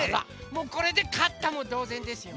もうこれでかったもどうぜんですよ。